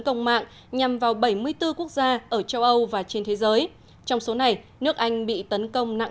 công mạng nhằm vào bảy mươi bốn quốc gia ở châu âu và trên thế giới trong số này nước anh bị tấn công nặng